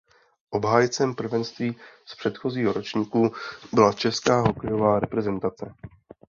Obhájcem prvenství z předchozího ročníku byla česká hokejová reprezentace.